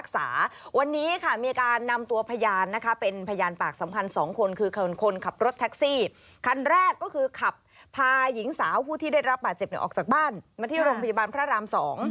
คันแรกก็คือขับพาหญิงสาวผู้ที่ได้รับบาดเจ็บออกจากบ้านมาที่โรงพยาบาลพระราม๒